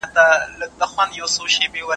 ما ورته وویل مه ژاړه.